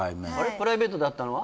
プライベートで会ったのは？